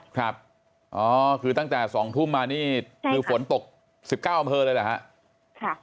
ครับอ๋อคือตั้งแต่๒ทุ่มมานี่คือฝนตก๑๙อำเภอเลยเหรอฮะ